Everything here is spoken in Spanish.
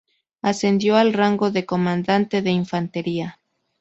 Ascendió al rango de comandante de infantería.